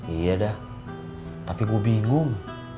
iya dah tapi gue bingung